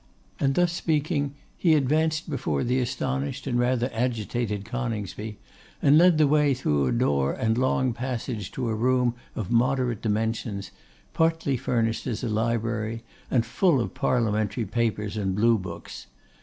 And thus speaking, he advanced before the astonished, and rather agitated Coningsby, and led the way through a door and long passage to a room of moderate dimensions, partly furnished as a library, and full of parliamentary papers and blue books.